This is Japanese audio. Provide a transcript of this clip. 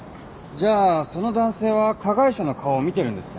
じゃあその男性は加害者の顔を見てるんですね？